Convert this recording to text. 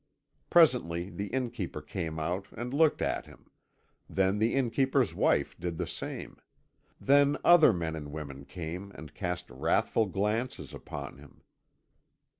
Presently the innkeeper came out and looked at him; then the innkeeper's wife did the same; then other men and women came and cast wrathful glances upon him.